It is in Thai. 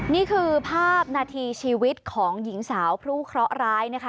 นี่คือภาพนาทีชีวิตของหญิงสาวผู้เคราะห์ร้ายนะคะ